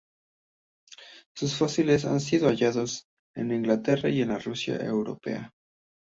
Sus fósiles han sido hallados en Inglaterra y la Rusia europea.